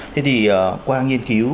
thế thì qua nghiên cứu